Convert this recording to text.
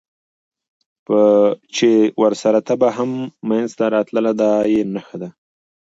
چې ورسره تبه هم منځته راتلل، دا یې نښه ده.